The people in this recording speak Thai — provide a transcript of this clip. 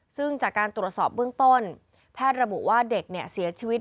ซึ่งจากการตรวจสอบเบื้องต้นแพทย์ระบุว่าเด็กเสียชีวิต